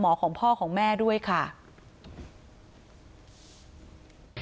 ต่างฝั่งในบอสคนขีดบิ๊กไบท์